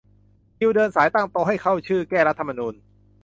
คิวเดินสายตั้งโต๊ะให้เข้าชื่อ แก้รัฐธรรมนูญ